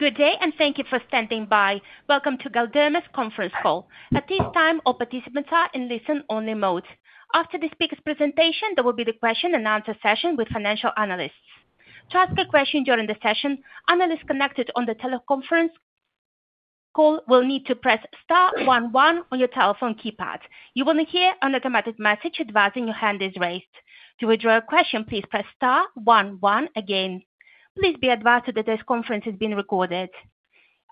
Good day and thank you for standing by. Welcome to Galderma's conference call. At this time, all participants are in listen-only mode. After the speaker's presentation, there will be the question and answer session with financial analysts. To ask a question during the session, analysts connected on the teleconference call will need to press star one one on your telephone keypad. You will hear an automatic message advising your hand is raised. To withdraw a question, please press star one one again. Please be advised that this conference is being recorded.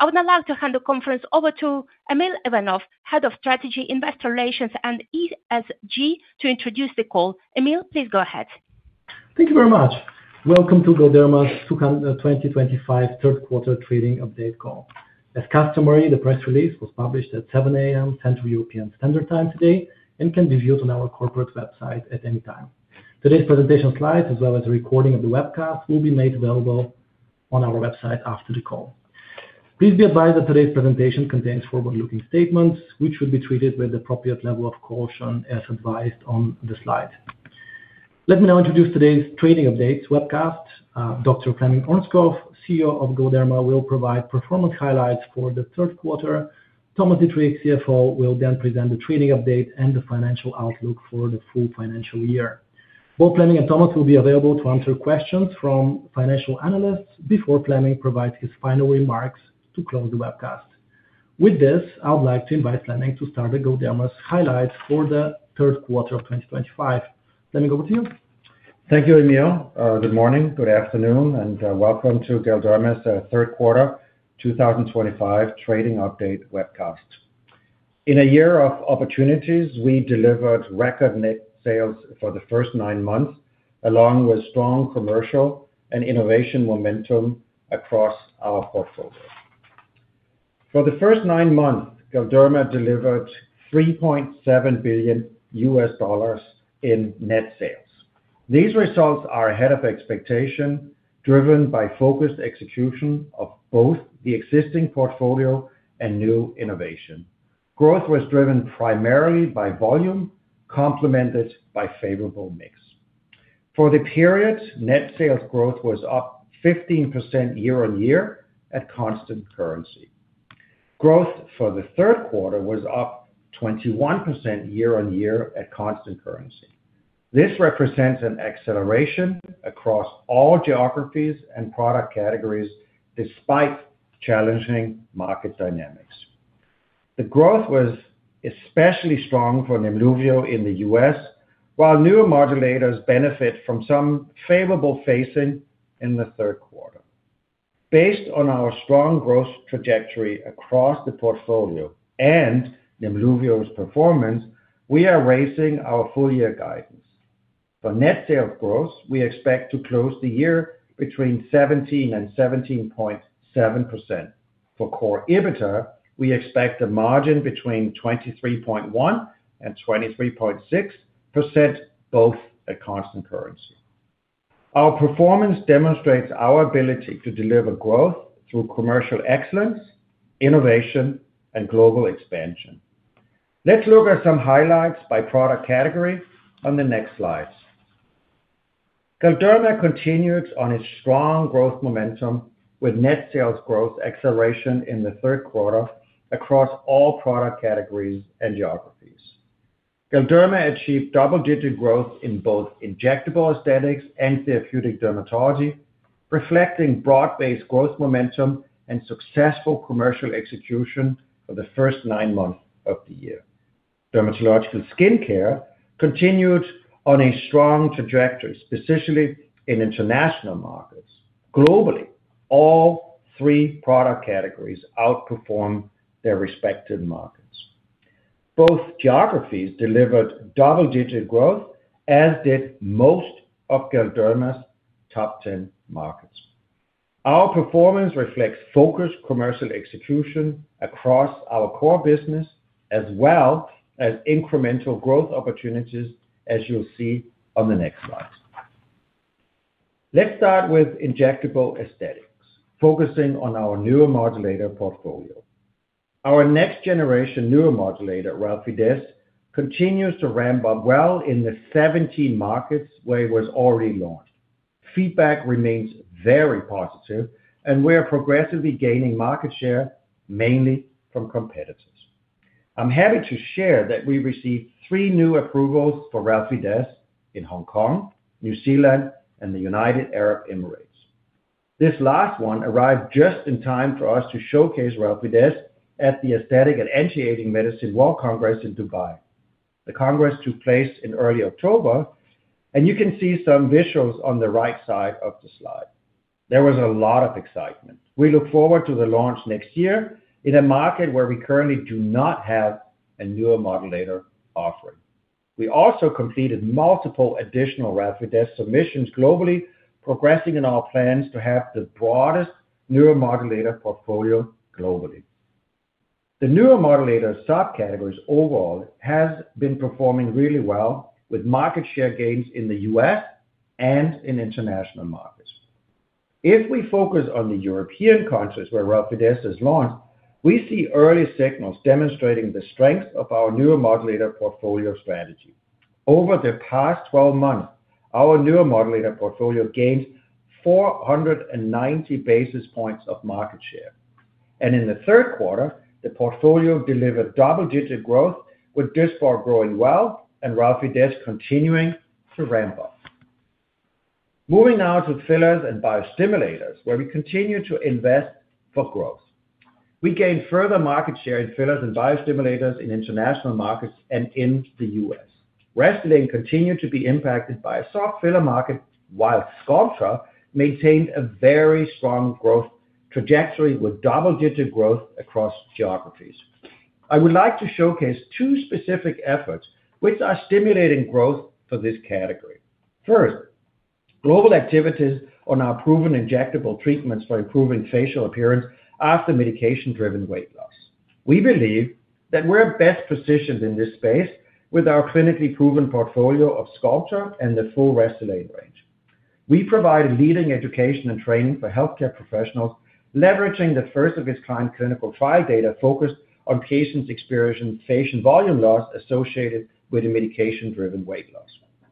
I would now like to hand the conference over to Emil Ivanov, Head of Strategy, Investor Relations, and ESG, to introduce the call. Emil, please go ahead. Thank you very much. Welcome to Galderma's 2025 third quarter trading update call. As customary, the press release was published at 7:00 A.M. Central European Standard Time today and can be viewed on our corporate website at any time. Today's presentation slides, as well as a recording of the webcast, will be made available on our website after the call. Please be advised that today's presentation contains forward-looking statements, which should be treated with the appropriate level of caution as advised on the slides. Let me now introduce today's trading update webcast. Dr. Flemming Ørnskov, CEO of Galderma, will provide performance highlights for the third quarter. Thomas Dittrich, CFO, will then present the trading update and the financial outlook for the full financial year. Both Flemming and Thomas will be available to answer questions from financial analysts before Flemming provides his final remarks to close the webcast. With this, I would like to invite Flemming to start with Galderma's highlights for the third quarter of 2025. Flemming, over to you. Thank you, Emil. Good morning, good afternoon, and welcome to Galderma's third quarter 2025 trading update webcast. In a year of opportunities, we delivered record net sales for the first nine months, along with strong commercial and innovation momentum across our portfolio. For the first nine months, Galderma delivered $3.7 billion in net sales. These results are ahead of expectation, driven by focused execution of both the existing portfolio and new innovation. Growth was driven primarily by volume, complemented by a favorable mix. For the period, net sales growth was up 15% year-on-year at constant currency. Growth for the third quarter was up 21% year-on-year at constant currency. This represents an acceleration across all geographies and product categories, despite challenging market dynamics. The growth was especially strong for Nimluvio in the U.S., while newer modulators benefit from some favorable phasing in the third quarter. Based on our strong growth trajectory across the portfolio and Nimluvio's performance, we are raising our full-year guidance. For net sales growth, we expect to close the year between 17% and 17.7%. For core EBITDA, we expect a margin between 23.1% and 23.6%, both at constant currency. Our performance demonstrates our ability to deliver growth through commercial excellence, innovation, and global expansion. Let's look at some highlights by product category on the next slides. Galderma continues on its strong growth momentum with net sales growth acceleration in the third quarter across all product categories and geographies. Galderma achieved double-digit growth in both injectable aesthetics and therapeutic dermatology, reflecting broad-based growth momentum and successful commercial execution for the first nine months of the year. Dermatological skincare continued on a strong trajectory, specifically in international markets. Globally, all three product categories outperformed their respective markets. Both geographies delivered double-digit growth, as did most of Galderma's top 10 markets. Our performance reflects focused commercial execution across our core business, as well as incremental growth opportunities, as you'll see on the next slide. Let's start with injectable aesthetics, focusing on our newer modulator portfolio. Our next-generation neuromodulator, Relfydess continues to ramp up well in the 17 markets where it was already launched. Feedback remains very positive, and we are progressively gaining market share, mainly from competitors. I'm happy to share that we received three new approvals for Relfydess in Hong Kong, New Zealand, and the United Arab Emirates. This last one arrived just in time for us to showcase RelabotulinumtoxinA at the Aesthetic and Anti-Aging Medicine World Congress in Dubai. The congress took place in early October, and you can see some visuals on the right side of the slide. There was a lot of excitement. We look forward to the launch next year in a market where we currently do not have a neuromodulator offering. We also completed multiple additional Relfydess submissions globally, progressing in our plans to have the broadest neuromodulator portfolio globally. The neuromodulator subcategories overall have been performing really well, with market share gains in the U.S. and in international markets. If we focus on the European countries where Relfydess was launched, we see early signals demonstrating the strength of our neuromodulator portfolio strategy. Over the past 12 months, our neuromodulator portfolio gained 490 basis points of market share. In the third quarter, the portfolio delivered double-digit growth, with Dysport growing well and Relfydess continuing to ramp up. Moving now to fillers and biostimulators, where we continue to invest for growth. We gained further market share in fillers and biostimulators in international markets and in the U.S. Restylane continued to be impacted by a soft filler market, while Sculptra maintained a very strong growth trajectory with double-digit growth across geographies. I would like to showcase two specific efforts which are stimulating growth for this category. First, global activities on our proven injectable treatments for improving facial appearance after medication-driven weight loss. We believe that we're best positioned in this space with our clinically proven portfolio of Sculptra and the full Restylane range. We provide leading education and training for healthcare professionals, leveraging the first-of-its-kind clinical trial data focused on patients experiencing facial volume loss associated with a medication-driven weight loss.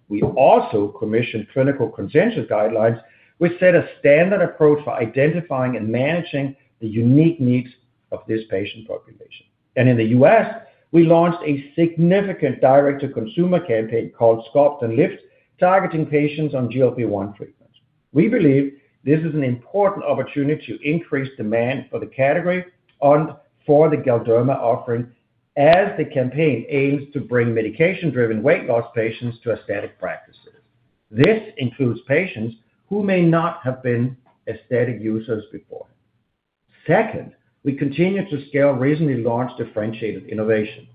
We also commissioned clinical consensus guidelines, which set a standard approach for identifying and managing the unique needs of this patient population. In the U.S., we launched a significant direct-to-consumer campaign called Sculpt and Lift, targeting patients on GLP-1 treatments. We believe this is an important opportunity to increase demand for the category and for the Galderma offering, as the campaign aims to bring medication-driven weight loss patients to aesthetic practices. This includes patients who may not have been aesthetic users before. Second, we continue to scale recently launched differentiated innovation.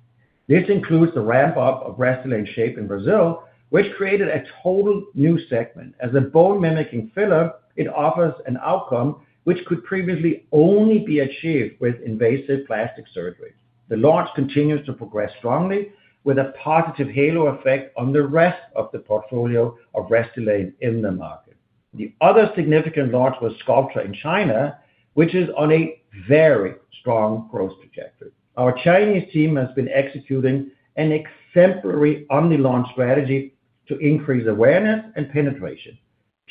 This includes the ramp-up of Restylane Shape in Brazil, which created a totally new segment. As a bone-mimicking filler, it offers an outcome which could previously only be achieved with invasive plastic surgery. The launch continues to progress strongly, with a positive halo effect on the rest of the portfolio of Restylane in the market. The other significant launch was Sculptra in China, which is on a very strong growth trajectory. Our Chinese team has been executing an exemplary on-the-launch strategy to increase awareness and penetration.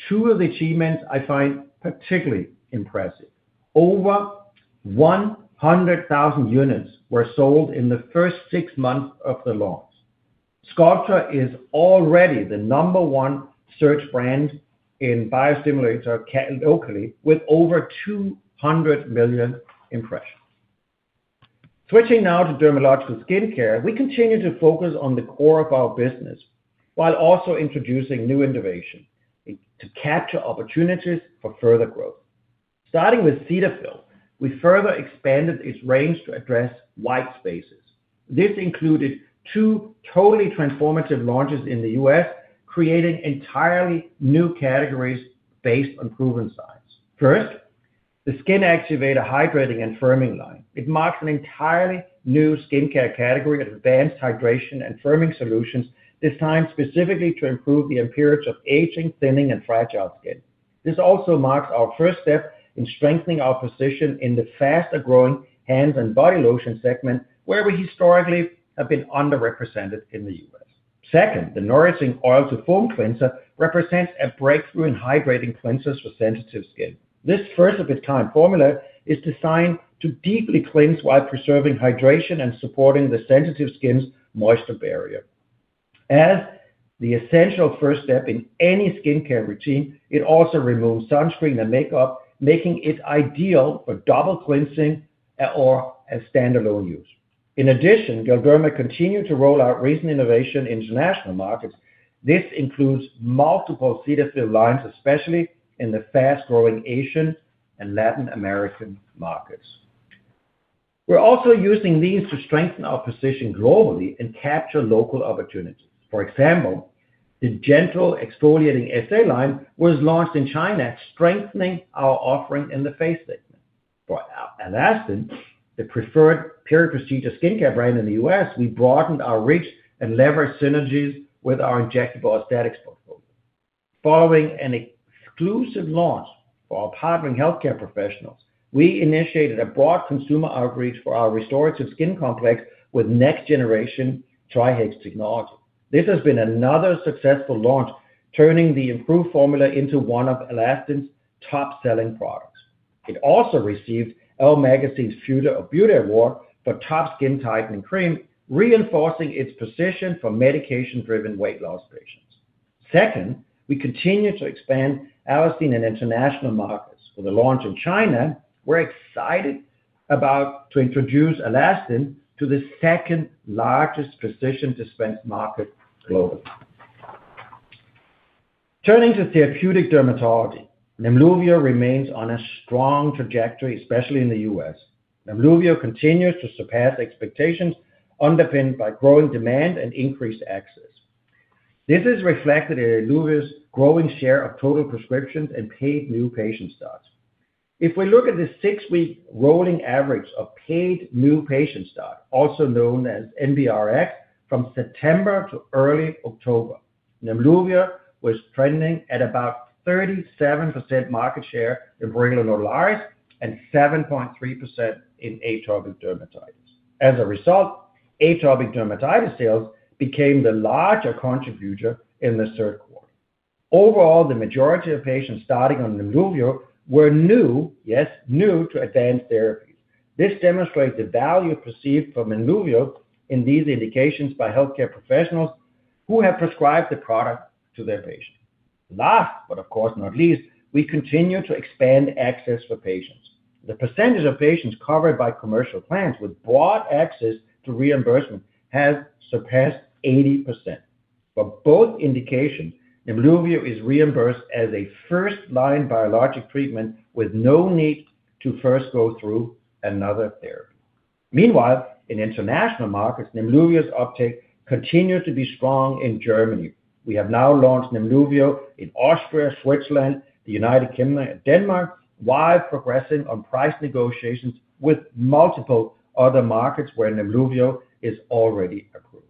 Two of the achievements I find particularly impressive: over 100,000 units were sold in the first six months of the launch. Sculptra is already the number one search brand in biostimulator locally, with over 200 million impressions. Switching now to dermatological skincare, we continue to focus on the core of our business while also introducing new innovation to capture opportunities for further growth. Starting with Cetaphil, we further expanded its range to address white spaces. This included two totally transformative launches in the U.S., creating entirely new categories based on proven science. First, the Skin Activator Hydrating and Firming line. It marks an entirely new skincare category of advanced hydration and firming solutions, designed specifically to improve the appearance of aging, thinning, and fragile skin. This also marks our first step in strengthening our position in the faster-growing hands and body lotion segment, where we historically have been underrepresented in the U.S. Second, the Nourishing Oil-to-Foam Cleanser represents a breakthrough in hydrating cleansers for sensitive skin. This first-of-its-kind formula is designed to deeply cleanse while preserving hydration and supporting the sensitive skin's moisture barrier. As the essential first step in any skincare routine, it also removes sunscreen and makeup, making it ideal for double cleansing or as standalone use. In addition, Galderma continued to roll out recent innovation in international markets. This includes multiple Cetaphil lines, especially in the fast-growing Asian and Latin American markets. We're also using these to strengthen our position globally and capture local opportunities. For example, the gentle exfoliating SA line was launched in China, strengthening our offering in the face segment. For Alastin, the preferred peri-procedure skincare brand in the U.S., we broadened our reach and leveraged synergies with our injectable aesthetics portfolio. Following an exclusive launch for our partnering healthcare professionals, we initiated a broad consumer outreach for our restorative skin complex with next-generation Trihex technology. This has been another successful launch, turning the improved formula into one of Alastin's top-selling products. It also received Elle Magazine's Future of Beauty Award for top skin tightening cream, reinforcing its position for medication-driven weight loss patients. Second, we continue to expand Alastin in international markets. With the launch in China, we're excited about introducing Alastin to the second-largest precision-dispense market globally. Turning to therapeutic dermatology, Nimluvio remains on a strong trajectory, especially in the U.S. Nimluvio continues to surpass expectations, underpinned by growing demand and increased access. This is reflected in Nimluvio's growing share of total prescriptions and paid new patient stats. If we look at the six-week rolling average of paid new patient stats, also known as NBRX, from September to early October, Nimluvio was trending at about 37% market share in prurigo nodularis and 7.3% in atopic dermatitis. As a result, atopic dermatitis sales became the larger contributor in the third quarter. Overall, the majority of patients starting on Nimluvio were new, yes, new to advanced therapies. This demonstrates the value perceived from Nimluvio in these indications by healthcare professionals who have prescribed the product to their patients. Last, but of course not least, we continue to expand access for patients. The percentage of patients covered by commercial plans with broad access to reimbursement has surpassed 80%. For both indications, Nimluvio is reimbursed as a first-line biologic treatment with no need to first go through another therapy. Meanwhile, in international markets, Nimluvio's uptake continues to be strong in Germany. We have now launched Nimluvio in Austria, Switzerland, the United Kingdom, and Denmark, while progressing on price negotiations with multiple other markets where Nimluvio is already approved.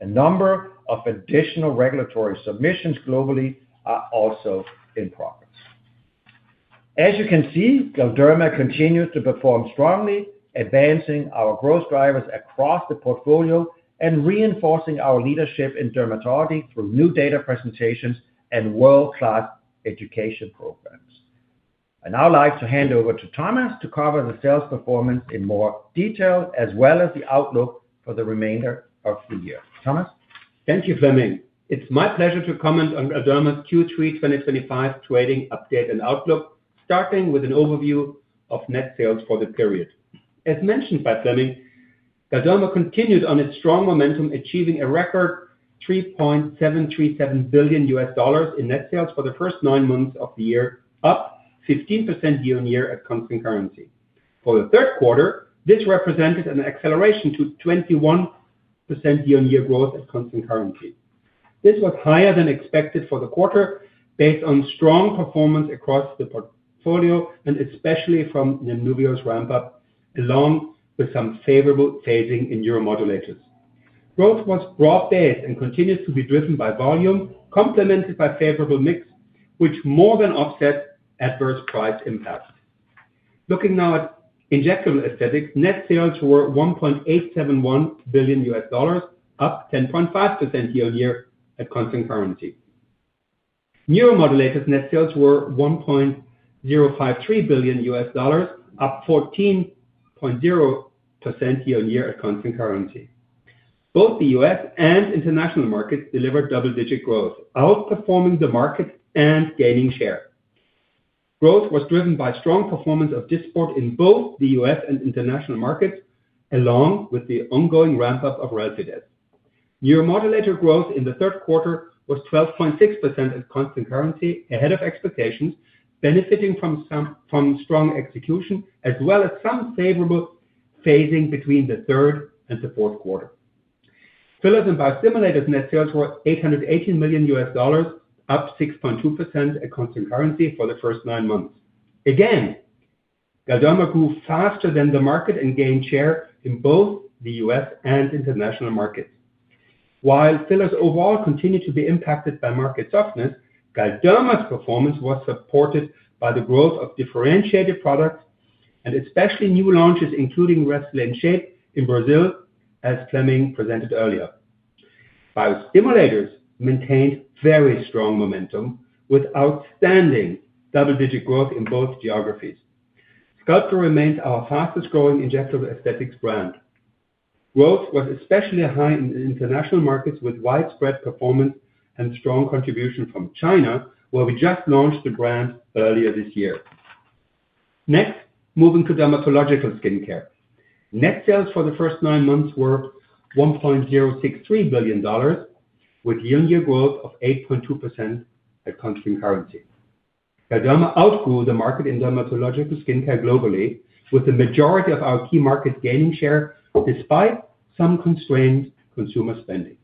A number of additional regulatory submissions globally are also in progress. As you can see, Galderma continues to perform strongly, advancing our growth drivers across the portfolio and reinforcing our leadership in dermatology through new data presentations and world-class education programs. I'd now like to hand over to Thomas to cover the sales performance in more detail, as well as the outlook for the remainder of the year. Thomas. Thank you, Flemming. It's my pleasure to comment on Galderma's Q3 2025 trading update and outlook, starting with an overview of net sales for the period. As mentioned by Flemming, Galderma continued on its strong momentum, achieving a record $3.737 billion in net sales for the first nine months of the year, up 15% year-on-year at constant currency. For the third quarter, this represented an acceleration to 21% year-on-year growth at constant currency. This was higher than expected for the quarter, based on strong performance across the portfolio and especially from Nimluvio's ramp-up, along with some favorable phasing in newer modulators. Growth was broad-based and continues to be driven by volume, complemented by a favorable mix, which more than offsets adverse price impacts. Looking now at injectable aesthetics, net sales were $1.871 billion, up 10.5% year-on-year at constant currency. Newer modulators' net sales were $1.053 billion, up 14.0% year-on-year at constant currency. Both the U.S. and international markets delivered double-digit growth, outperforming the market and gaining share. Growth was driven by strong performance of Dysport in both the U.S. and international markets, along with the ongoing ramp-up of RelabotulinumtoxinA. Newer modulator growth in the third quarter was 12.6% at constant currency, ahead of expectations, benefiting from strong execution, as well as some favorable phasing between the third and the fourth quarter. Fillers and biostimulators' net sales were $818 million, up 6.2% at constant currency for the first nine months. Again, Galderma grew faster than the market and gained share in both the U.S. and international markets. While fillers overall continue to be impacted by market softness, Galderma's performance was supported by the growth of differentiated products and especially new launches, including Restylane Shape in Brazil, as Flemming presented earlier. Biostimulators maintained very strong momentum with outstanding double-digit growth in both geographies. Sculptra remains our fastest-growing injectable aesthetics brand. Growth was especially high in the international markets, with widespread performance and strong contribution from China, where we just launched the brand earlier this year. Next, moving to dermatological skincare. Net sales for the first nine months were $1.063 billion, with year-on-year growth of 8.2% at constant currency. Galderma outgrew the market in dermatological skincare globally, with the majority of our key markets gaining share despite some constrained consumer spending.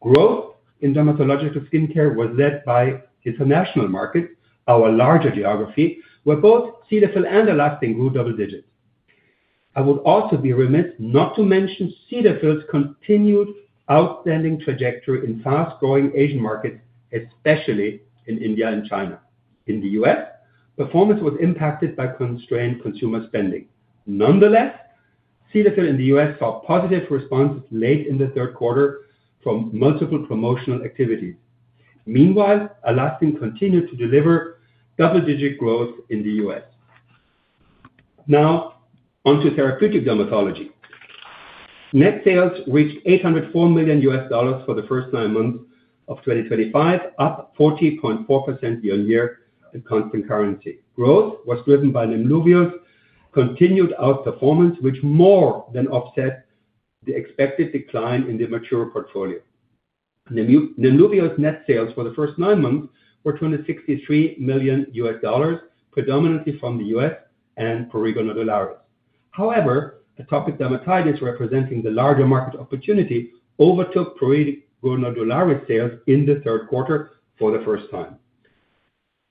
Growth in dermatological skincare was led by international markets, our larger geography, where both Cetaphil and Alastin grew double-digits. I would also be remiss not to mention Cetaphil's continued outstanding trajectory in fast-growing Asian markets, especially in India and China. In the U.S., performance was impacted by constrained consumer spending. Nonetheless, Cetaphil in the U.S. saw positive responses late in the third quarter from multiple promotional activities. Meanwhile, Alastin continued to deliver double-digit growth in the U.S. Now, onto therapeutic dermatology. Net sales reached $804 million for the first nine months of 2025, up 40.4% year-on-year at constant currency. Growth was driven by Nimluvio's continued outperformance, which more than offset the expected decline in the mature portfolio. Nimluvio's net sales for the first nine months were $263 million, predominantly from the U.S. and prurigo nodularis. However, atopic dermatitis, representing the larger market opportunity, overtook prurigo nodularis sales in the third quarter for the first time.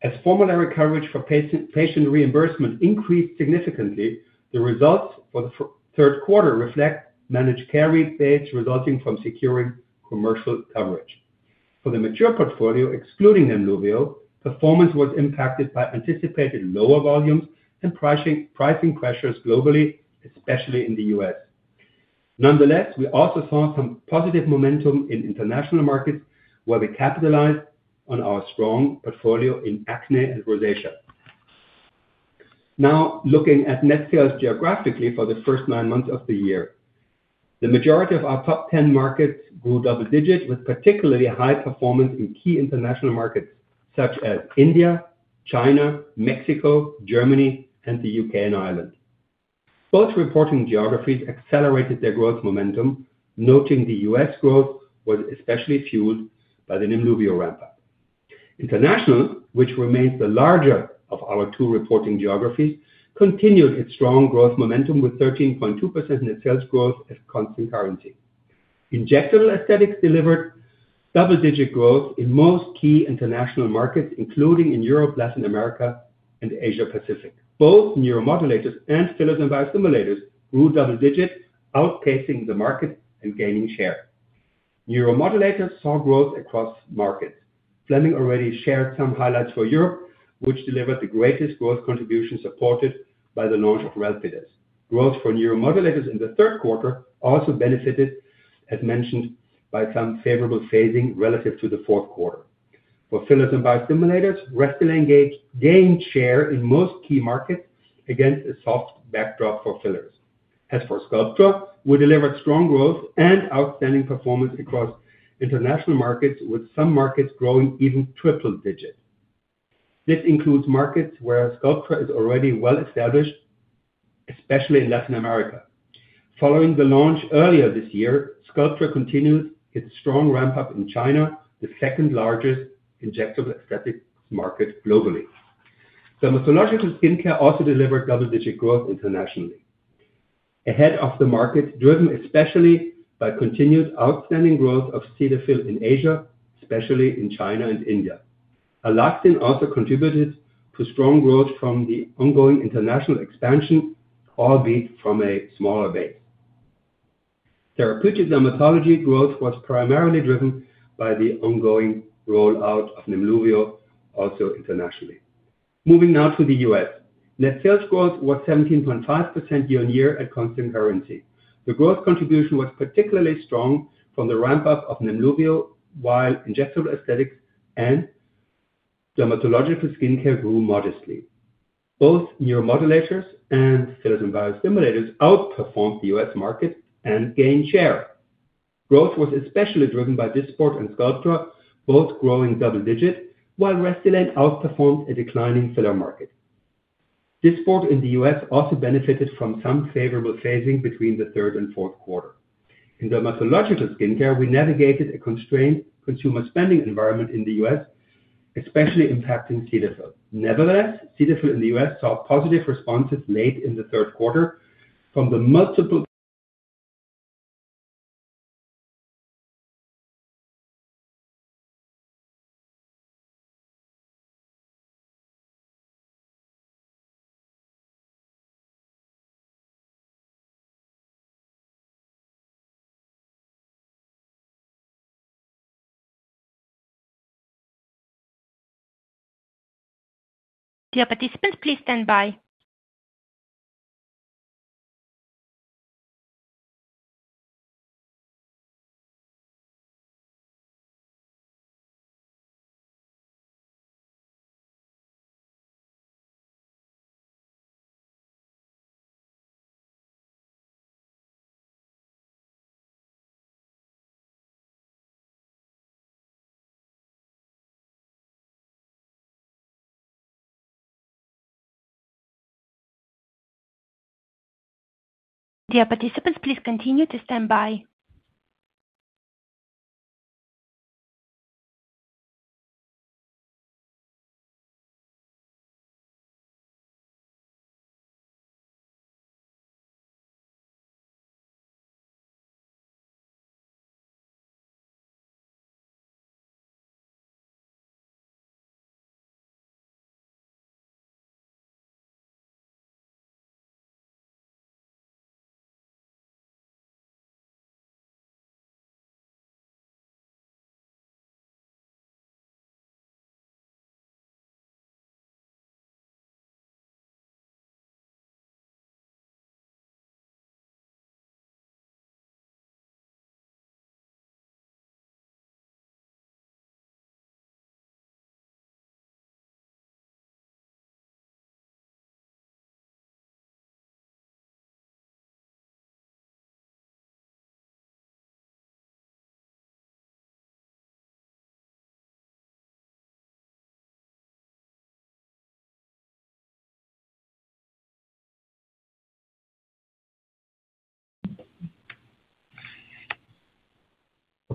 As formulary coverage for patient reimbursement increased significantly, the results for the third quarter reflect managed care rebates resulting from securing commercial coverage. For the mature portfolio, excluding Nimluvio, performance was impacted by anticipated lower volumes and pricing pressures globally, especially in the U.S. Nonetheless, we also saw some positive momentum in international markets, where we capitalized on our strong portfolio in acne and rosacea. Now, looking at net sales geographically for the first nine months of the year, the majority of our top 10 markets grew double-digit, with particularly high performance in key international m,arkets, such as India, China, Mexico, Germany, and the U.K. and Ireland. Both reporting geographies accelerated their growth momentum, noting the U.S. growth was especially fueled by the Nimluvio ramp-up. International, which remains the larger of our two reporting geographies, continued its strong growth momentum with 13.2% net sales growth at constant currency. Injectable aesthetics delivered double-digit growth in most key international markets, including in Europe, Latin America, and Asia-Pacific. Both newer modulators and fillers and biostimulators grew double-digit, outpacing the market and gaining share. Newer modulators saw growth across markets. Flemming already shared some highlights for Europe, which delivered the greatest growth contribution supported by the launch of Dysport. Growth for newer modulators in the third quarter also benefited, as mentioned, by some favorable phasing relative to the fourth quarter. For fillers and biostimulators, Restylane gained share in most key markets, against a soft backdrop for fillers. As for Sculptra, we delivered strong growth and outstanding performance across international markets, with some markets growing even triple digits. This includes markets where Sculptra is already well established, especially in Latin America. Following the launch earlier this year, Sculptra continued its strong ramp-up in China, the second-largest injectable aesthetics market globally. Dermatological skincare also delivered double-digit growth internationally, ahead of the market, driven especially by continued outstanding growth of Cetaphil in Asia, especially in China and India. Alastin also contributed to strong growth from the ongoing international expansion, albeit from a smaller base. Therapeutic dermatology growth was primarily driven by the ongoing rollout of Nimluvio, also internationally. Moving now to the U.S., net sales growth was 17.5% year-on-year at constant currency. The growth contribution was particularly strong from the ramp-up of Nimluvio, while injectable aesthetics and dermatological skincare grew modestly. Both newer modulators and fillers and biostimulators outperformed the U.S. market and gained share. Growth was especially driven by Dysport and Sculptra, both growing double-digit, while Restylane outperformed a declining filler market. Dysport in the U.S. also benefited from some favorable phasing between the third and fourth quarter. In dermatological skincare, we navigated a constrained consumer spending environment in the U.S., especially impacting Cetaphil. Nevertheless, Cetaphil in the U.S. saw positive responses late in the third quarter from the multiple. If you're a participant, please stand by. If you're a participant, please continue to stand by.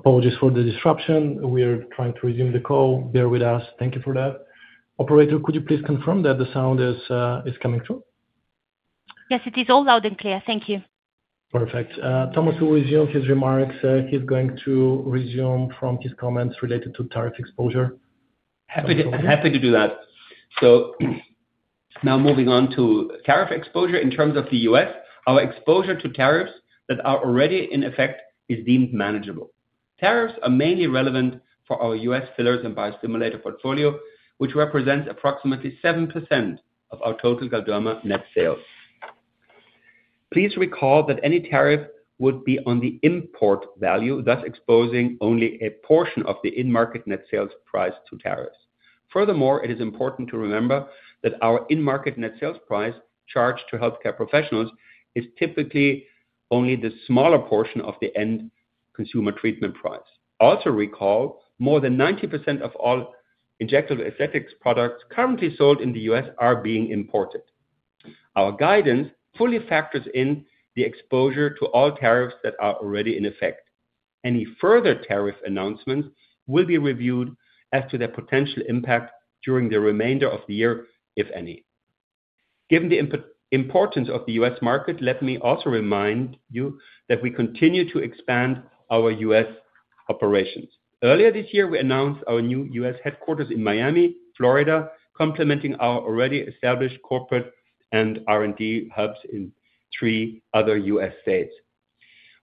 Apologies for the disruption. We are trying to resume the call. Bear with us. Thank you for that. Operator, could you please confirm that the sound is coming through? Yes, it is all loud and clear. Thank you. Perfect. Thomas, who resumed his remarks, is going to resume from his comments related to tariff exposure. Happy to do that. Now moving on to tariff exposure in terms of the U.S., our exposure to tariffs that are already in effect is deemed manageable. Tariffs are mainly relevant for our U.S. fillers and biostimulator portfolio, which represents approximately 7% of our total Galderma net sales. Please recall that any tariff would be on the import value, thus exposing only a portion of the in-market net sales price to tariffs. Furthermore, it is important to remember that our in-market net sales price charged to healthcare professionals is typically only the smaller portion of the end consumer treatment price. Also recall, more than 90% of all injectable aesthetics products currently sold in the U.S. are being imported. Our guidance fully factors in the exposure to all tariffs that are already in effect. Any further tariff announcements will be reviewed as to their potential impact during the remainder of the year, if any. Given the importance of the U.S. market, let me also remind you that we continue to expand our U.S. operations. Earlier this year, we announced our new U.S. headquarters in Miami, Florida, complementing our already established corporate and R&D hubs in three other U.S. states.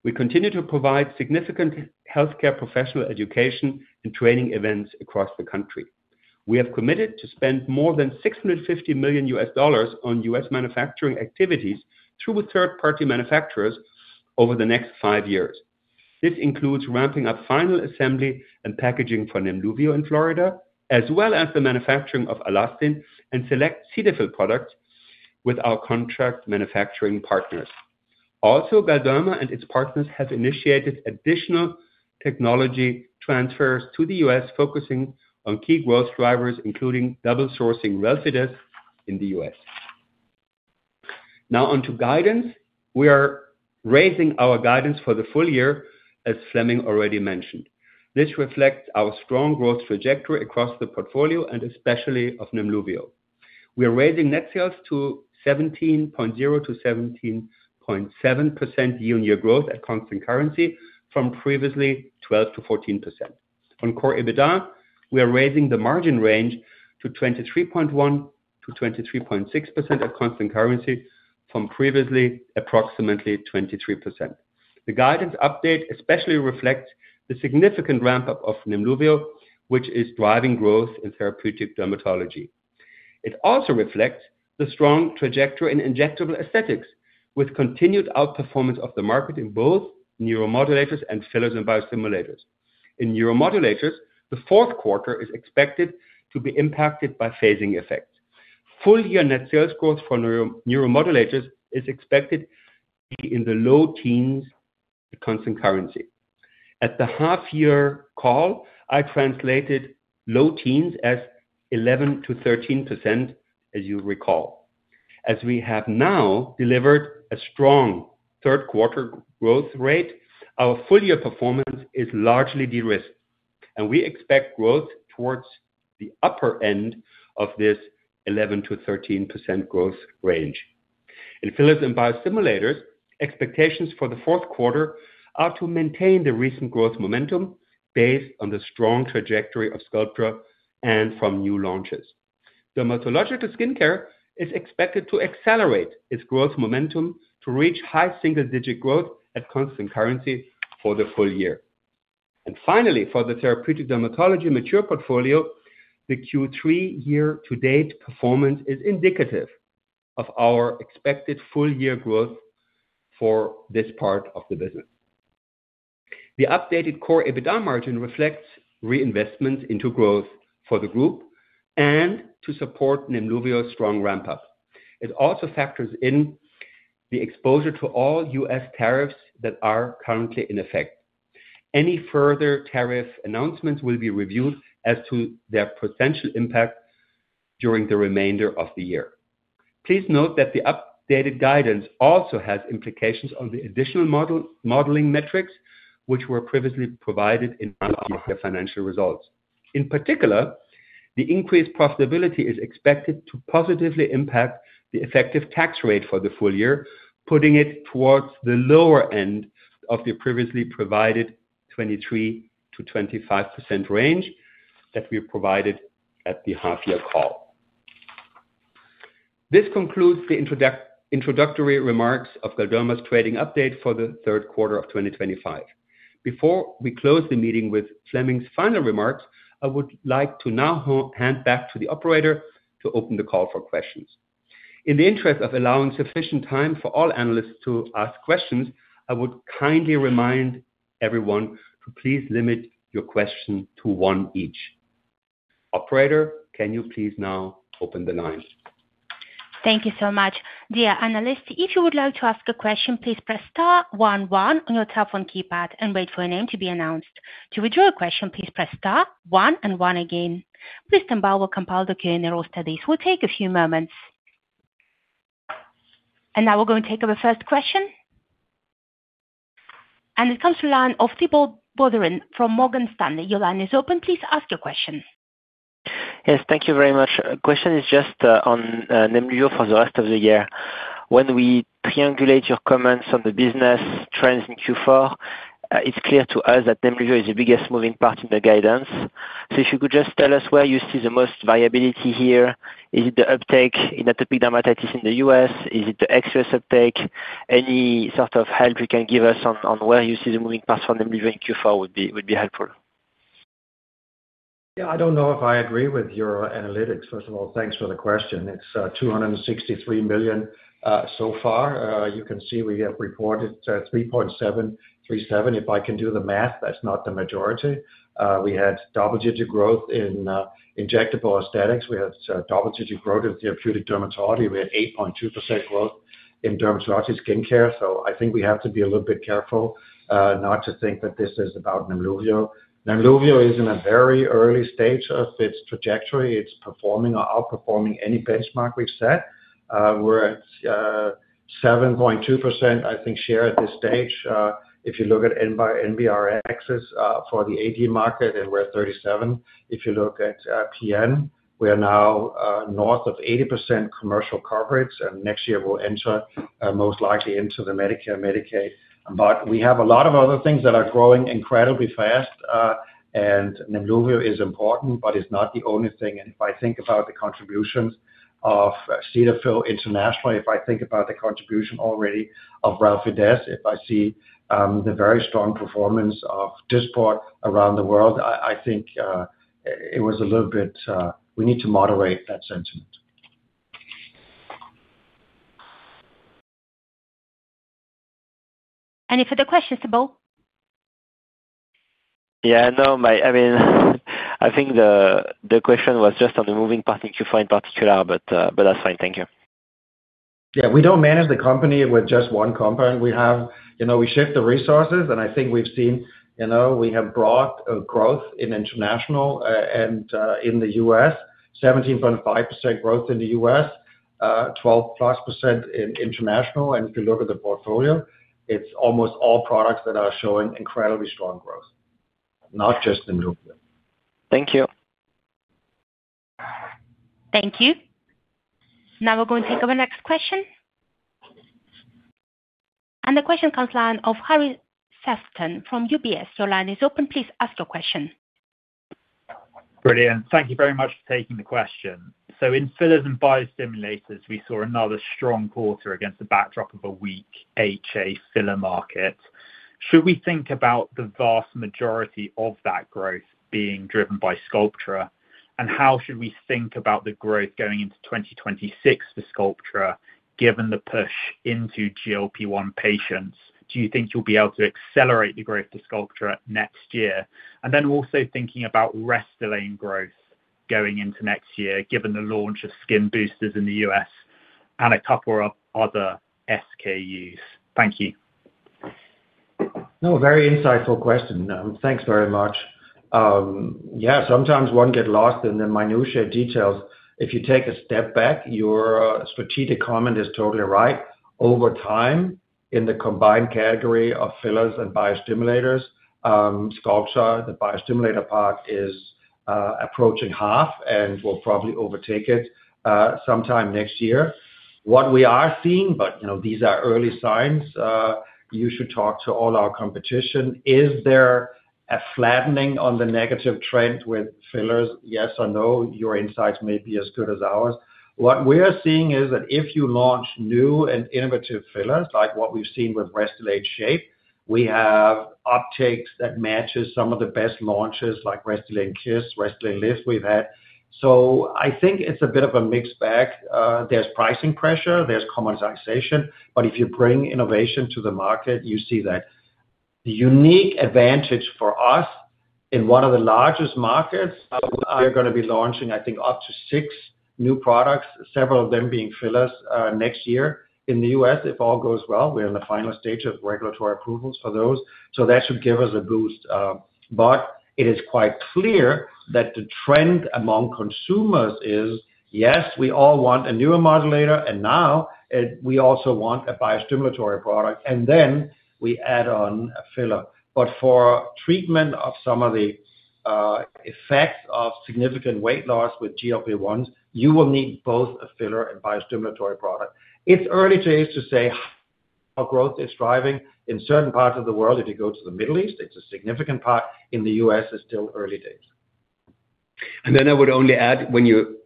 We continue to provide significant healthcare professional education and training events across the country. We have committed to spend more than $650 million on U.S. manufacturing activities through third-party manufacturers over the next five years. This includes ramping up final assembly and packaging for Nimluvio in Florida, as well as the manufacturing of Alastin and select Cetaphil products with our contract manufacturing partners. Also, Galderma and its partners have initiated additional technology transfers to the U.S., focusing on key growth drivers, including double-sourcing Dysport in the U.S. Now on to guidance. We are raising our guidance for the full year, as Flemming already mentioned. This reflects our strong growth trajectory across the portfolio and especially of Nimluvio. We are raising net sales to 17.0%-17.7% year-on-year growth at constant currency, from previously 12%-14%. On core EBITDA, we are raising the margin range to 23.1%-23.6% at constant currency, from previously approximately 23%. The guidance update especially reflects the significant ramp-up of Nimluvio, which is driving growth in therapeutic dermatology. It also reflects the strong trajectory in injectable aesthetics, with continued outperformance of the market in both newer modulators and fillers and biostimulators. In newer modulators, the fourth quarter is expected to be impacted by phasing effects. Full-year net sales growth for newer modulators is expected to be in the low teens at constant currency. At the half-year call, I translated low teens as 11%-13%, as you recall. As we have now delivered a strong third-quarter growth rate, our full-year performance is largely de-risked, and we expect growth towards the upper end of this 11%-13% growth range. In fillers and biostimulators, expectations for the fourth quarter are to maintain the recent growth momentum based on the strong trajectory of Sculptra and from new launches. Dermatological skincare is expected to accelerate its growth momentum to reach high single-digit growth at constant currency for the full year. Finally, for the therapeutic dermatology mature portfolio, the Q3 year-to-date performance is indicative of our expected full-year growth for this part of the business. The updated core EBITDA margin reflects reinvestments into growth for the group and to support Nimluvio's strong ramp-up. It also factors in the exposure to all U.S. tariffs that are currently in effect. Any further tariff announcements will be reviewed as to their potential impact during the remainder of the year. Please note that the updated guidance also has implications on the additional modeling metrics, which were previously provided in our Q3 financial results. In particular, the increased profitability is expected to positively impact the effective tax rate for the full year, putting it towards the lower end of the previously provided 23%-25% range that we provided at the half-year call. This concludes the introductory remarks of Galderma's trading update for the third quarter of 2025. Before we close the meeting with Flemming's final remarks, I would like to now hand back to the operator to open the call for questions. In the interest of allowing sufficient time for all analysts to ask questions, I would kindly remind everyone to please limit your question to one each. Operator, can you please now open the line? Thank you so much. Dear analyst, if you would like to ask a question, please press star one one on your telephone keypad and wait for your name to be announced. To withdraw a question, please press star one and one again. Mr. Mbao will compile the Q&A roster. This will take a few moments. We are going to take up the first question. It comes from line of the Thibault Boutherin from Morgan Stanley. Your line is open. Please ask your question. Yes, thank you very much. A question is just on Nimluvio for the rest of the year. When we triangulate your comments on the business trends in Q4, it's clear to us that Nimluvio is the biggest moving part in the guidance. If you could just tell us where you see the most variability here, is it the uptake in atopic dermatitis in the U.S.? Is it the excess uptake? Any sort of help you can give us on where you see the moving parts for Nimluvio in Q4 would be helpful. Yeah, I don't know if I agree with your analytics, first of all. Thanks for the question. It's $263 million so far. You can see we have reported $3.737 billion. If I can do the math, that's not the majority. We had double-digit growth in injectable aesthetics. We had double-digit growth in therapeutic dermatology. We had 8.2% growth in dermatology skincare. I think we have to be a little bit careful not to think that this is about Nimluvio. Nimluvio is in a very early stage of its trajectory. It's performing or outperforming any benchmark we've set. We're at 7.2%, I think, share at this stage. If you look at NBRX for the AD market, and we're at 37. If you look at PN, we are now north of 80% commercial coverage. Next year, we'll enter most likely into the Medicare and Medicaid. We have a lot of other things that are growing incredibly fast. Nimluvio is important, but it's not the only thing. If I think about the contributions of Cetaphil internationally, if I think about the contribution already of RelabotulinumtoxinA, if I see the very strong performance of Dysport around the world, I think it was a little bit we need to moderate that sentiment. Any further questions, Thibault? Yeah, no, I mean, I think the question was just on the moving part in Q4 in particular, but that's fine. Thank you. We don't manage the company with just one company. We shift the resources, and I think we've seen we have brought growth in international and in the U.S., 17.5% growth in the U.S., 12%+ in international. If you look at the portfolio, it's almost all products that are showing incredibly strong growth, not just Nimluvio. Thank you. Thank you. Now we're going to take up our next question. The question comes to the line of Harry Sefton from UBS. Your line is open. Please ask your question. Brilliant. Thank you very much for taking the question. In fillers and biostimulators, we saw another strong quarter against a backdrop of a weak HA filler market. Should we think about the vast majority of that growth being driven by Sculptra? How should we think about the growth going into 2026 for Sculptra, given the push into GLP-1 patients? Do you think you'll be able to accelerate the growth for Sculptra next year? Also, thinking about Restylane growth going into next year, given the launch of skin boosters in the U.S. and a couple of other SKUs. Thank you. No, very insightful question. Thanks very much. Yeah, sometimes one gets lost in the minutiae details. If you take a step back, your strategic comment is totally right. Over time, in the combined category of fillers and biostimulators, Sculptra, the biostimulator part, is approaching half and will probably overtake it sometime next year. What we are seeing, but these are early signs, you should talk to all our competition. Is there a flattening on the negative trend with fillers? Yes or no? Your insights may be as good as ours. What we are seeing is that if you launch new and innovative fillers, like what we've seen with Restylane Shape, we have uptakes that match some of the best launches, like Restylane Kiss, Restylane Lift we've had. I think it's a bit of a mixed bag. There's pricing pressure, there's commoditization. If you bring innovation to the market, you see that. The unique advantage for us in one of the largest markets, we are going to be launching, I think, up to six new products, several of them being fillers, next year in the U.S., if all goes well. We're in the final stage of regulatory approvals for those. That should give us a boost. It is quite clear that the trend among consumers is, yes, we all want a newer modulator, and now we also want a biostimulatory product, and then we add on a filler. For treatment of some of the effects of significant weight loss with GLP-1s, you will need both a filler and biostimulatory product. It's early days to say how growth is driving. In certain parts of the world, if you go to the Middle East, it's a significant part in the U.S., it's still early days. I would only add, when you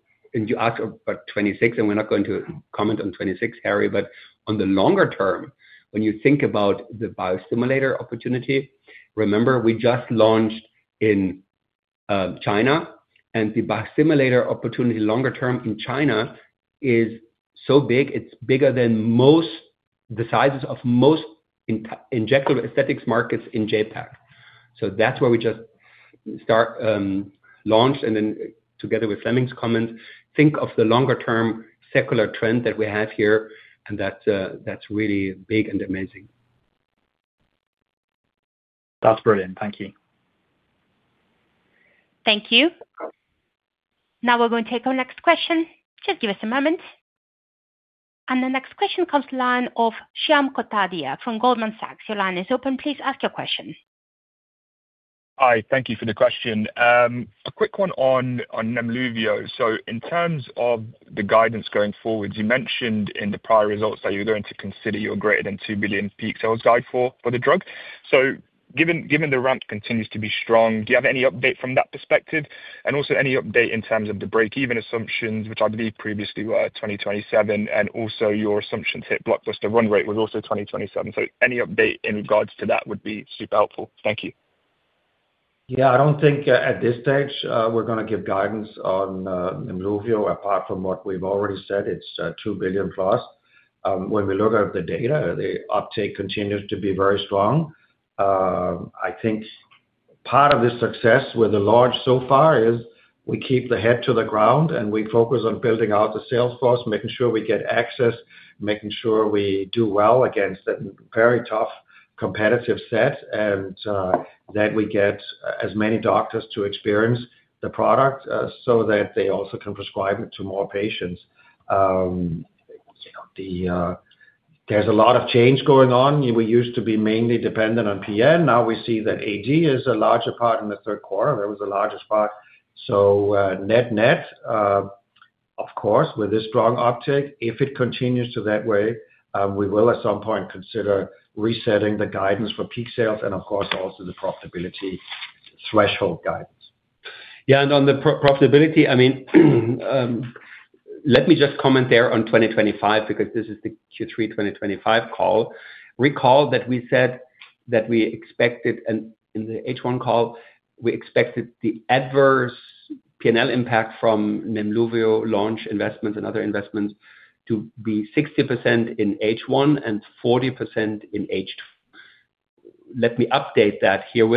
ask about 2026, and we're not going to comment on 2026, Harry, but on the longer term, when you think about the biostimulator opportunity, remember we just launched in China, and the biostimulator opportunity longer term in China is so big, it's bigger than most the sizes of most injectable aesthetics markets in JPAC. That is where we just launched, and together with Flemming's comments, think of the longer term secular trend that we have here, and that's really big and amazing. That's brilliant. Thank you. Thank you. Now we're going to take our next question. Just give us a moment. The next question comes to the line of Shyam Kotadia from Goldman Sachs. Your line is open. Please ask your question. Hi, thank you for the question. A quick one on Nimluvio. In terms of the guidance going forward, you mentioned in the prior results that you're going to consider your greater than $2 billion peak sales guide for the drug. Given the ramp continues to be strong, do you have any update from that perspective? Also, any update in terms of the break-even assumptions, which I believe previously were 2027, and your assumptions hit blockbuster run rate was also 2027. Any update in regards to that would be super helpful. Thank you. Yeah, I don't think at this stage we're going to give guidance on Nimluvio, apart from what we've already said, it's $2 billion plus. When we look at the data, the uptake continues to be very strong. I think part of the success with the launch so far is we keep the head to the ground and we focus on building out the sales force, making sure we get access, making sure we do well against a very tough competitive set, and that we get as many doctors to experience the product so that they also can prescribe it to more patients. There's a lot of change going on. We used to be mainly dependent on PN. Now we see that AD is a larger part in the third quarter. That was the largest part. Net-net, of course, with this strong uptake, if it continues that way, we will at some point consider resetting the guidance for peak sales and, of course, also the profitability threshold guidance. Yeah, and on the profitability, let me just comment there on 2025, because this is the Q3 2025 call. Recall that we said that we expected, and in the H1 call, we expected the adverse P&L impact from Nimluvio launch investments and other investments to be 60% in H1 and 40% in H2. Let me update that here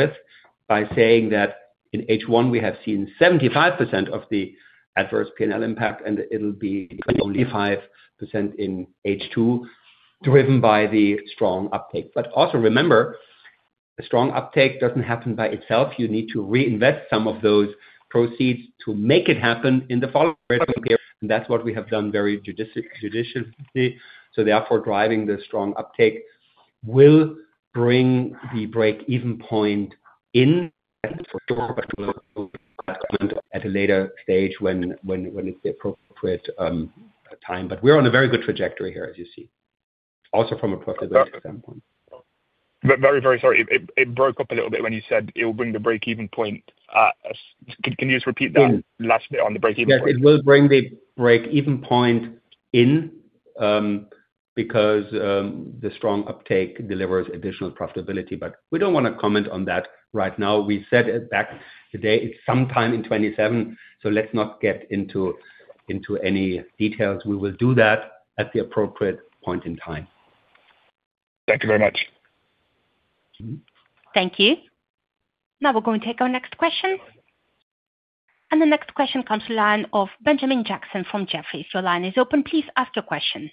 by saying that in H1, we have seen 75% of the adverse P&L impact, and it'll be only 25% in H2, driven by the strong uptake. Also remember, a strong uptake doesn't happen by itself. You need to reinvest some of those proceeds to make it happen in the follow-up period. That's what we have done very judiciously. Therefore, driving the strong uptake will bring the break-even point in, that's for sure, but we'll comment at a later stage when it's the appropriate time. We're on a very good trajectory here, as you see, also from a profitability standpoint. Sorry, it broke up a little bit when you said it'll bring the break-even point. Can you just repeat that last bit on the break-even point? It will bring the break-even point in because the strong uptake delivers additional profitability. We don't want to comment on that right now. We said it back today. It's sometime in 2027, so let's not get into any details. We will do that at the appropriate point in time. Thank you very much. Thank you. Now we're going to take our next question. The next question comes to the line of Benjamin Jackson from Jefferies. If your line is open, please ask your question.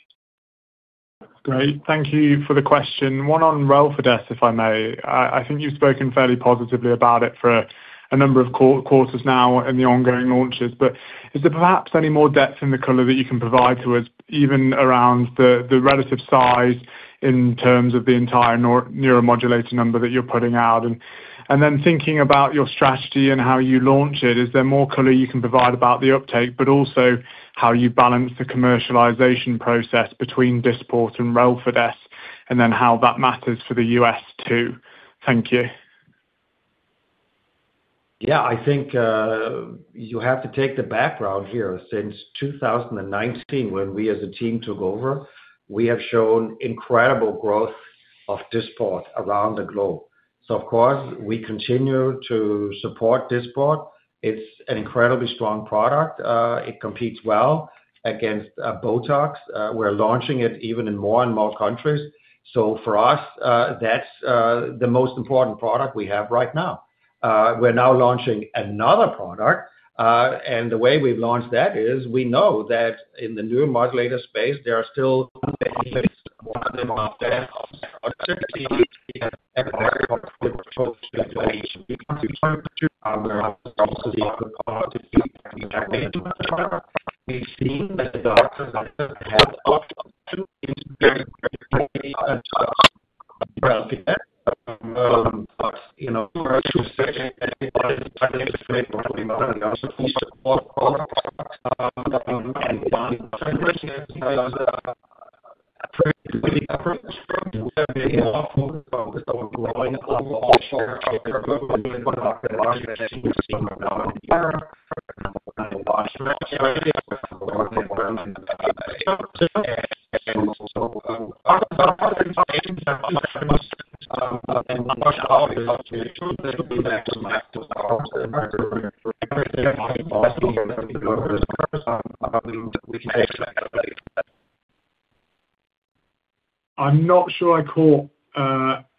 Great. Thank you for the question. One on Relfydess, if I may. I think you've spoken fairly positively about it for a number of quarters now in the ongoing launches. Is there perhaps any more depth in the color that you can provide to us, even around the relative size in terms of the entire neuromodulator number that you're putting out? Thinking about your strategy and how you launch it, is there more color you can provide about the uptake, but also how you balance the commercialization process between Dysport and Relfydess and then how that matters for the U.S. too? Thank you. Yeah, I think you have to take the background here. Since 2019, when we as a team took over, we have shown incredible growth of Dysport around the globe. Of course, we continue to support Dysport. It's an incredibly strong product. It competes well against Botox. We're launching it even in more and more countries. For us, that's the most important product we have right now. We're now launching another product. The way we've launched that is we know that in the neuromodulator space, there are still many things. One of them are the advance of. Certainly, we have a very good approach to the patient. We want to show our results to the other part of the people that we have made in the product. We've seen that the doctors and the health of the patient is very, very important. We're actually searching at the end of the time to make one of the other results we support all of our products and find different approaches. We have been focused on growing our offshore chip group. We've been doing one of the largest investments in the market in Europe. We're now going to launch in Australia. We're now going to work in Europe. Our current expansion of our investments and push our results to the truth, they will be maximized to our market. Everything will be possible. We can expect that later. I'm not sure I caught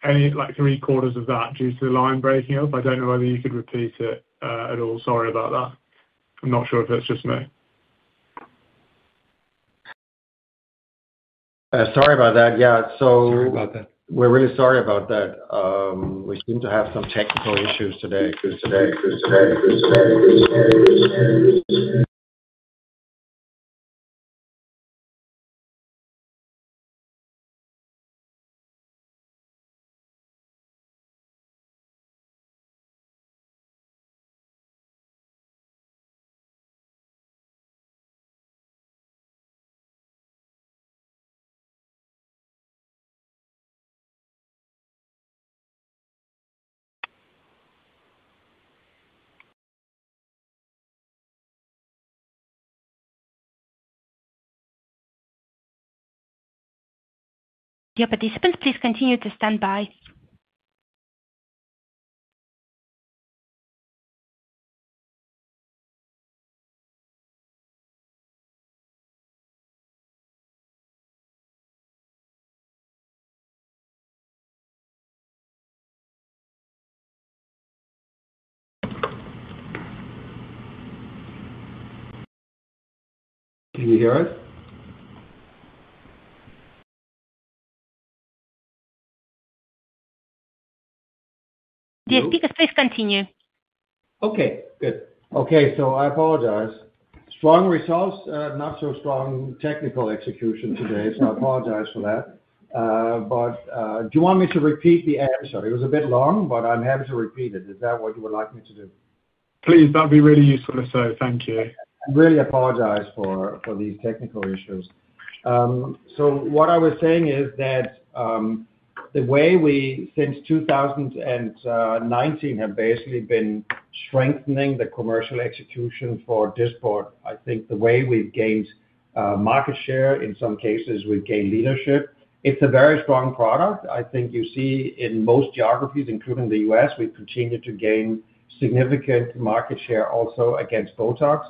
any like three-quarters of that due to the line breaking up. I don't know whether you could repeat it at all. Sorry about that. I'm not sure if it's just me. Sorry about that. Yeah. Sorry about that. We're really sorry about that. We seem to have some technical issues today. Your participants, please continue to stand by. Can you hear us? The speakers, please continue. Okay. Good. I apologize. Strong results, not so strong technical execution today. I apologize for that. Do you want me to repeat the answer? It was a bit long, but I'm happy to repeat it. Is that what you would like me to do? Please, that would be really useful if so. Thank you. I really apologize for these technical issues. What I was saying is that the way we since 2019 have basically been strengthening the commercial execution for Dysport, I think the way we've gained market share, in some cases, we've gained leadership. It's a very strong product. I think you see in most geographies, including the U.S., we've continued to gain significant market share also against Botox.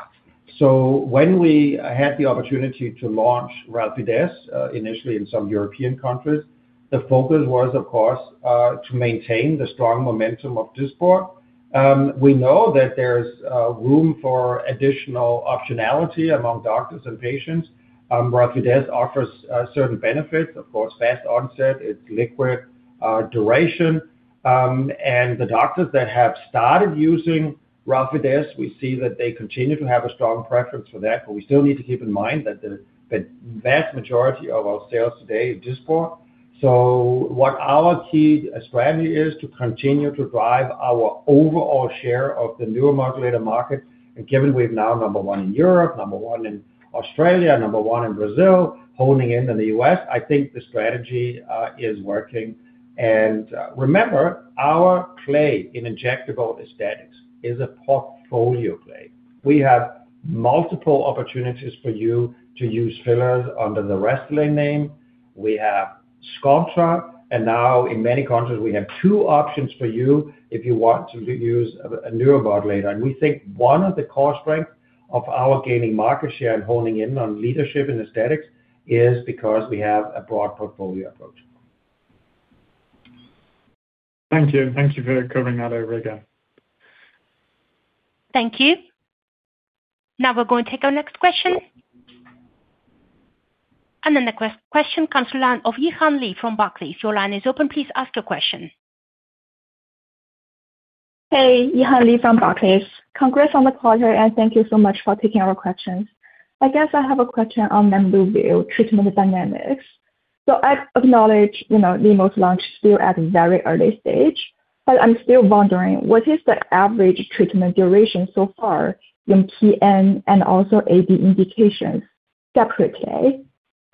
When we had the opportunity to launch Relfydess initially in some European countries, the focus was, of course, to maintain the strong momentum of Dysport. We know that there's room for additional optionality among doctors and patients. Relfydess offers certain benefits, of course, fast onset. It's liquid duration. The doctors that have started using Relfydess, we see that they continue to have a strong preference for that. We still need to keep in mind that the vast majority of our sales today is Dysport. What our key strategy is to continue to drive our overall share of the neuromodulator market. Given we've now number one in Europe, number one in Australia, number one in Brazil, holding in in the U.S., I think the strategy is working. Remember, our play in injectable aesthetics is a portfolio play. We have multiple opportunities for you to use fillers under the Restylane name. We have Sculptra. Now, in many countries, we have two options for you if you want to use a neuromodulator. We think one of the core strengths of our gaining market share and honing in on leadership in aesthetics is because we have a broad portfolio approach. Thank you. Thank you for covering that over again. Thank you. Now we're going to take our next question. The question comes to the line of Yihan Li from Barclays. If your line is open, please ask your question. Hey, Yihan Li from Barclays. Congrats on the quarter, and thank you so much for taking our questions. I guess I have a question on Nimluvio treatment dynamics. I acknowledge Nimluvio launched still at a very early stage, but I'm still wondering, what is the average treatment duration so far in PN and also AD indications separately?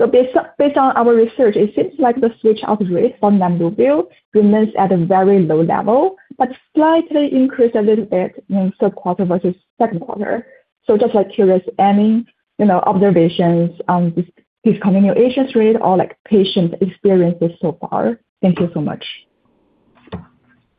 Based on our research, it seems like the switch-out rate for Nimluvio remains at a very low level, but slightly increased a little bit in third quarter versus second quarter. Just curious, any observations on this discontinuation rate or like patient experiences so far? Thank you so much.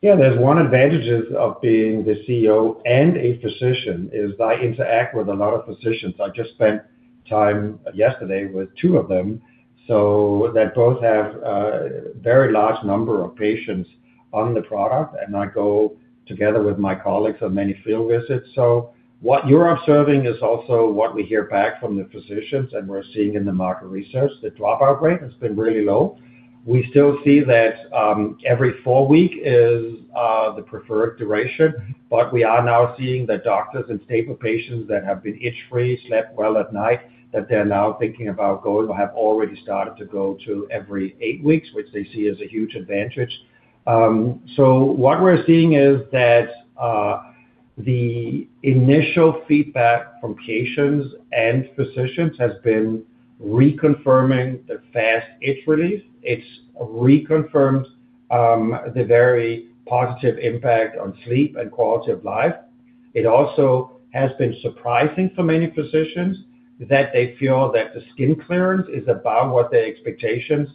Yeah, there's one advantage of being the CEO and a physician is that I interact with a lot of physicians. I just spent time yesterday with two of them. They both have a very large number of patients on the product, and I go together with my colleagues on many field visits. What you're observing is also what we hear back from the physicians and we're seeing in the market research. The dropout rate has been really low. We still see that every four weeks is the preferred duration, but we are now seeing that doctors and stable patients that have been itch-free, slept well at night, that they're now thinking about going or have already started to go to every eight weeks, which they see as a huge advantage. What we're seeing is that the initial feedback from patients and physicians has been reconfirming the fast itch relief. It's reconfirmed the very positive impact on sleep and quality of life. It also has been surprising for many physicians that they feel that the skin clearance is above what their expectations.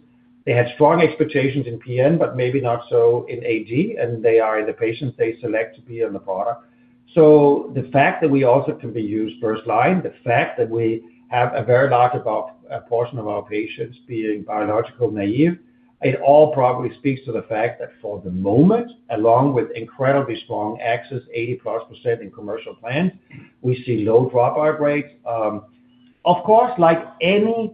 They had strong expectations in PN, but maybe not so in AD, and they are in the patients they select to be on the product. The fact that we also can be used first line, the fact that we have a very large portion of our patients being biologic naive, it all probably speaks to the fact that for the moment, along with incredibly strong access, 80+% in commercial plans, we see low dropout rates. Of course, like any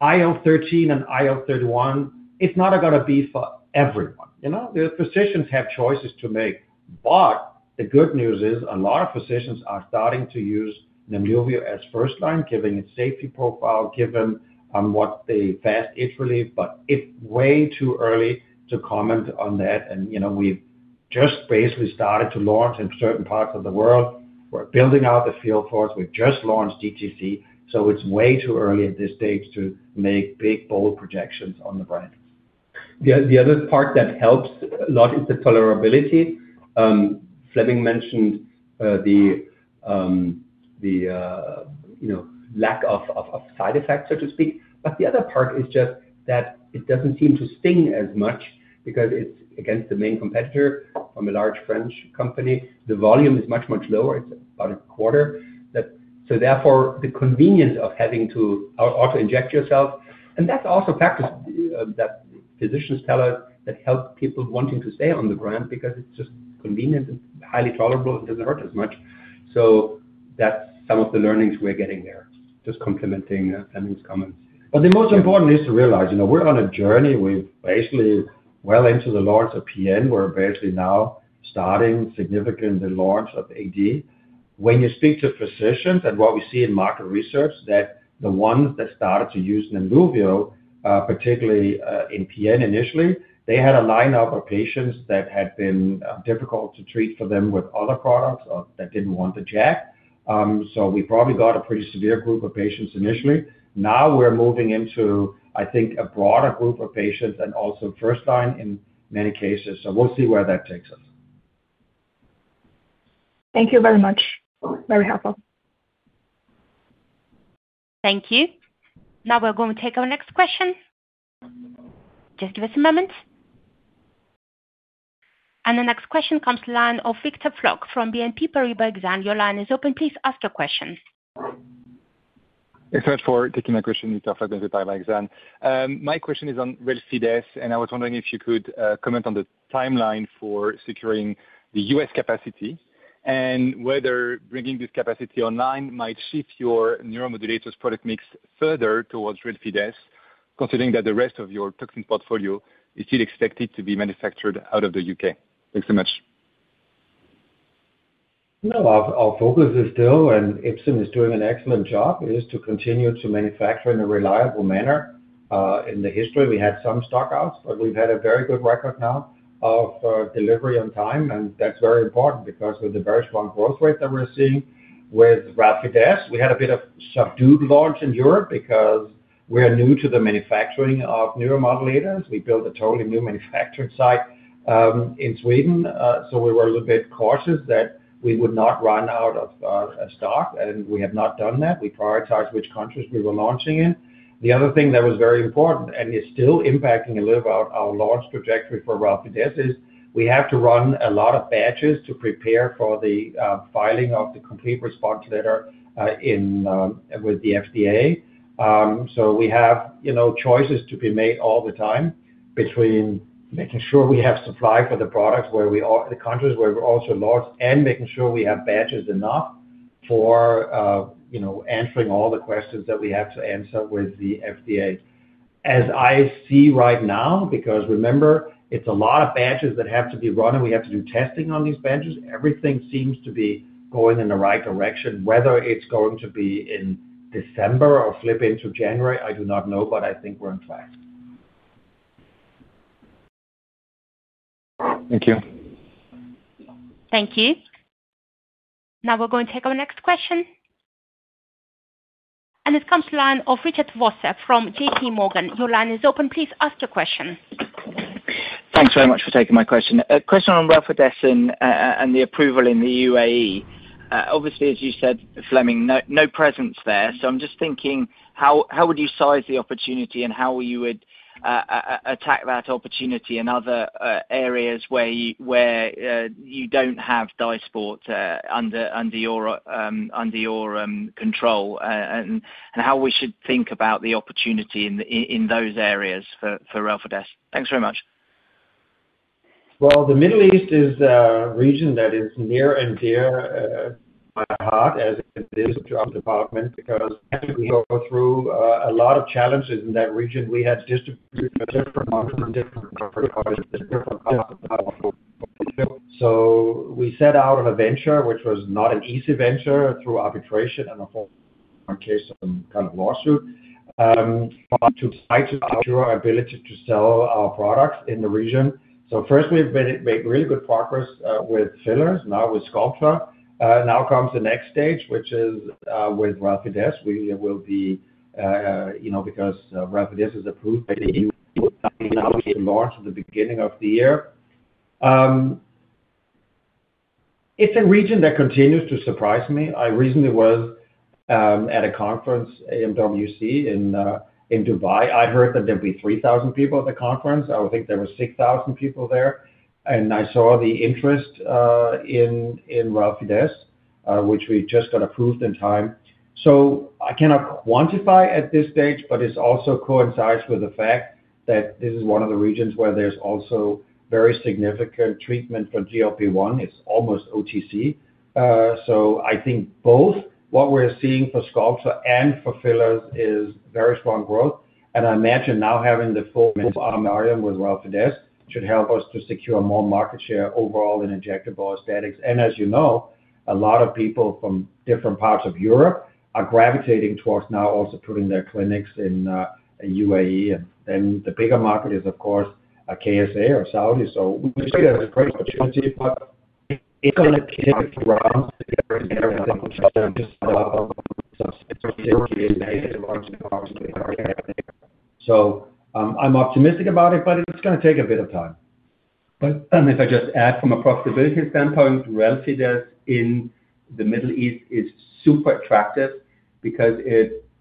IO-13 and IO-31, it's not going to be for everyone. You know, the physicians have choices to make. The good news is a lot of physicians are starting to use Nimluvio as first line, given its safety profile, given what the fast itch relief, but it's way too early to comment on that. You know, we've just basically started to launch in certain parts of the world. We're building out the field force. We've just launched DTC. It's way too early at this stage to make big, bold projections on the brand. The other part that helps a lot is the tolerability. Flemming mentioned the lack of side effects, so to speak. The other part is just that it doesn't seem to sting as much because it's against the main competitor from a large French company. The volume is much, much lower. It's about a quarter. Therefore, the convenience of having to auto-inject yourself, and that's also practice that physicians tell us that helps people wanting to stay on the brand because it's just convenient. It's highly tolerable. It doesn't hurt as much. That's some of the learnings we're getting there, just complementing Flemming's comments. The most important is to realize, you know, we're on a journey. We're basically well into the launch of PN. We're basically now starting significantly the launch of AD. When you speak to physicians and what we see in market research, the ones that started to use Nimluvio, particularly in PN initially, they had a lineup of patients that had been difficult to treat for them with other products or that didn't want to jack. We probably got a pretty severe group of patients initially. Now we're moving into, I think, a broader group of patients and also first line in many cases. We'll see where that takes us. Thank you very much. Very helpful. Thank you. Now we're going to take our next question. Just give us a moment. The next question comes to the line of Victor Floc'h from BNP Paribas Exane. Your line is open. Please ask your question. Thanks a lot for taking my question, Victor Floc'h, BNP Paribas Exam. My question is on Relfydess, and I was wondering if you could comment on the timeline for securing the U.S. capacity and whether bringing this capacity online might shift your neuromodulators product mix further towards Relfydess, considering that the rest of your toxin portfolio is still expected to be manufactured out of the U.K. Thanks so much. No, our focus is still, and Epson is doing an excellent job, is to continue to manufacture in a reliable manner. In the history, we had some stockouts, but we've had a very good record now of delivery on time. That's very important because of the very strong growth rate that we're seeing. With Relfydess, we had a bit of subdued launch in Europe because we are new to the manufacturing of neuromodulators. We built a totally new manufacturing site in Sweden. We were a little bit cautious that we would not run out of stock, and we have not done that. We prioritize which countries we were launching in. The other thing that was very important and is still impacting a little about our launch trajectory for RelabotulinumtoxinA is we have to run a lot of batches to prepare for the filing of the complete response letter with the FDA. We have choices to be made all the time between making sure we have supply for the products where we are, the countries where we're also launched, and making sure we have batches enough for answering all the questions that we have to answer with the FDA. As I see right now, because remember, it's a lot of batches that have to be run and we have to do testing on these batches, everything seems to be going in the right direction. Whether it's going to be in December or flip into January, I do not know, but I think we're on track. Thank you. Thank you. Now we're going to take our next question. It comes to the line of Richard Vosser from JPMorgan. Your line is open. Please ask your question. Thanks very much for taking my question. A question on Dysport and the approval in the U.A.E. Obviously, as you said, Flemming, no presence there. I'm just thinking, how would you size the opportunity and how you would attack that opportunity in other areas where you don't have Dysport under your control and how we should think about the opportunity in those areas for Dysport? Thanks very much. The Middle East is a region that is near and dear to my heart as it is to our department because we go through a lot of challenges in that region. We had distributors in different markets and different countries. We set out on a venture, which was not an easy venture through arbitration and a whole case of some kind of lawsuit, but to try to ensure our ability to sell our products in the region. First, we've made really good progress with fillers, now with Sculptra. Now comes the next stage, which is with Dysport. We will be, you know, because Dysport is approved by the E.U., and now we can launch at the beginning of the year. It's a region that continues to surprise me. I recently was at a conference, AMWC, in Dubai. I heard that there'd be 3,000 people at the conference. I would think there were 6,000 people there. I saw the interest in Dysport, which we just got approved in time. I cannot quantify at this stage, but it also coincides with the fact that this is one of the regions where there's also very significant treatment for GLP-1. It's almost OTC. I think both what we're seeing for Sculptra and for fillers is very strong growth. I imagine now having the full armarium with Dysport should help us to secure more market share overall in injectable aesthetics. As you know, a lot of people from different parts of Europe are gravitating towards now also putting their clinics in U.A.E. The bigger market is, of course, KSA or Saudi. We see that as a great opportunity, but it's going to take a few rounds to get ready here and then we'll just have some substantial synergy in the next launch in the market. I'm optimistic about it, but it's going to take a bit of time. If I just add from a profitability standpoint, Dysport in the Middle East is super attractive because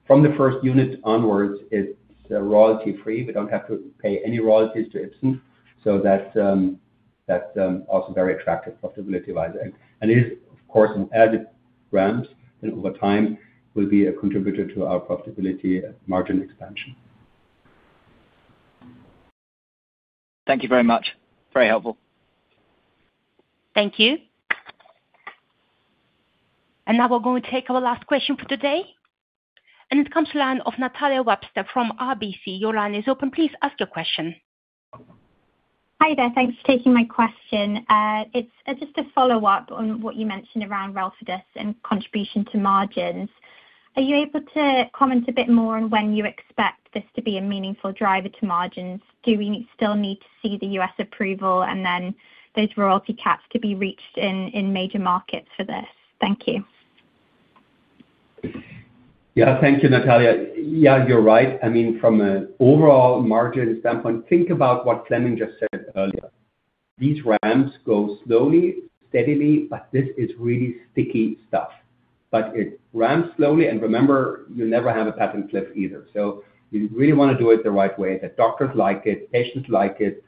from the first unit onwards, it's royalty-free. We don't have to pay any royalties to Epson. That is also very attractive profitability-wise. It is, of course, as it ramps, then over time will be a contributor to our profitability margin expansion. Thank you very much. Very helpful. Thank you. We are going to take our last question for today. It comes to the line of Natalia Webster from RBC. Your line is open. Please ask your question. Hi there. Thanks for taking my question. It's just a follow-up on what you mentioned around Dysport and contribution to margins. Are you able to comment a bit more on when you expect this to be a meaningful driver to margins? Do we still need to see the U.S. approval and then those royalty caps to be reached in major markets for this? Thank you. Yeah, thank you, Natalia. Yeah, you're right. I mean, from an overall margin standpoint, think about what Flemming just said earlier. These ramps go slowly, steadily, but this is really sticky stuff. It ramps slowly, and remember, you'll never have a patent cliff either. You really want to do it the right way, that doctors like it, patients like it.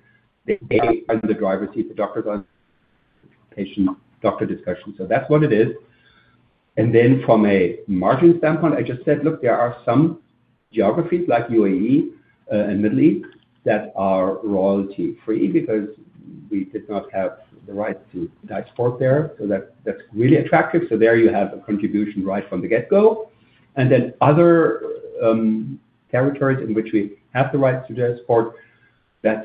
They are in the driver's seat, the doctor's on the patient-doctor discussion. That's what it is. From a margin standpoint, I just said, look, there are some geographies like U.A.E and the Middle East that are royalty-free because we did not have the right to Dysport there. That's really attractive. There you have a contribution right from the get-go. In other territories in which we have the right to Dysport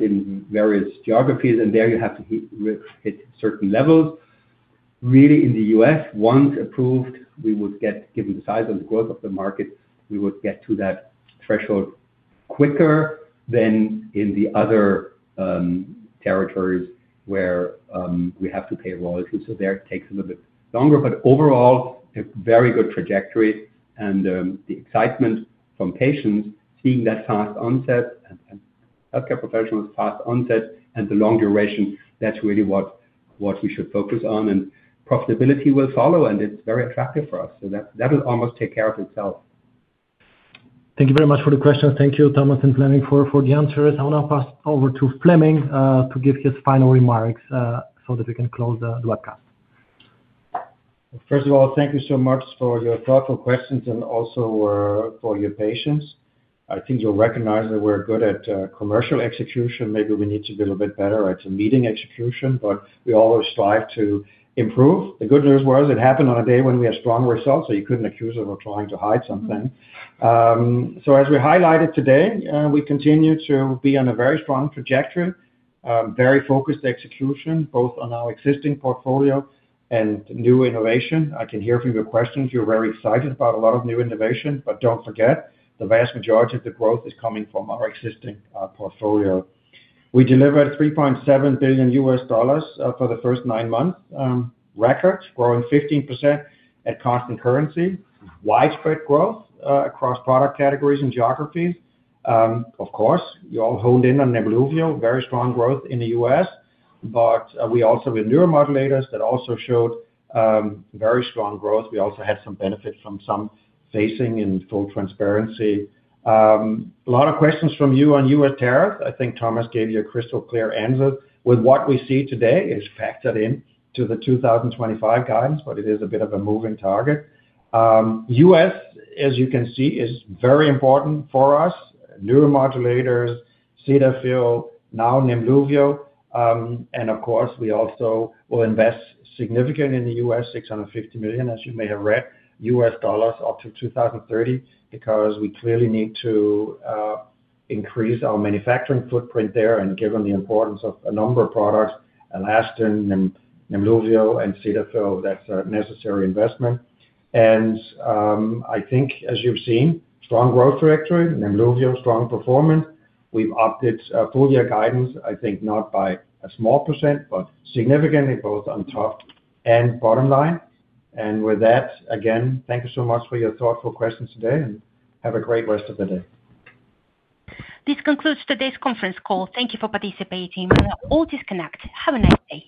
in various geographies, you have to hit certain levels. Really, in the U.S., once approved, given the size and the growth of the market, we would get to that threshold quicker than in the other territories where we have to pay royalties. There it takes a little bit longer. Overall, a very good trajectory. The excitement from patients seeing that fast onset and healthcare professionals' fast onset and the long duration, that's really what we should focus on. Profitability will follow, and it's very attractive for us. That will almost take care of itself. Thank you very much for the questions. Thank you, Thomas and Flemming, for the answers. I want to pass over to Flemming to give his final remarks so that we can close the webcast. First of all, thank you so much for your thoughtful questions and also for your patience. I think you'll recognize that we're good at commercial execution. Maybe we need to be a little bit better at meeting execution, but we always strive to improve. The good news was it happened on a day when we had strong results, so you couldn't accuse us of trying to hide something. As we highlighted today, we continue to be on a very strong trajectory, very focused execution, both on our existing portfolio and new innovation. I can hear from your questions you're very excited about a lot of new innovation, but don't forget, the vast majority of the growth is coming from our existing portfolio. We delivered $3.7 billion U.S. dollars for the first nine months. Record, growing 15% at constant currency. Widespread growth across product categories and geographies. Of course, you all honed in on Nimluvio, very strong growth in the U.S. We also have neuromodulators that also showed very strong growth. We also had some benefit from some phasing and full transparency. A lot of questions from you on U.S. tariffs. I think Thomas gave you a crystal clear answer. With what we see today, it's factored into the 2025 guidance, but it is a bit of a moving target. U.S., as you can see, is very important for us. Neuromodulators, Cetaphil, now Nimluvio. We also will invest significantly in the U.S., $650 million, as you may have read, U.S. dollars up to 2030, because we clearly need to increase our manufacturing footprint there. Given the importance of a number of products, Alastin, Nimluvio, and Cetaphil, that's a necessary investment. I think, as you've seen, strong growth trajectory, Nimluvio, strong performance. We've upped it full-year guidance, I think not by a small percent, but significantly both on top and bottom line. With that, again, thank you so much for your thoughtful questions today, and have a great rest of the day. This concludes today's conference call. Thank you for participating. We'll all disconnect. Have a nice day.